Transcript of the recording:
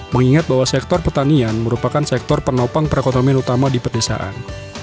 mengingat bahwa sektor pertanian merupakan sektor penopang perekonomian utama di pedesaan